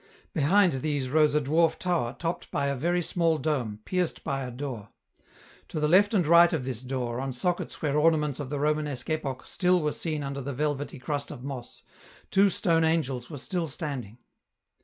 Behind these rose a dwarf tower topped by a very small dome, pierced by a door. To the left and right of this door, on sockets where ornaments of the Romanesque epoch still were seen under the velvety crust of moss, two stone angels were still standing.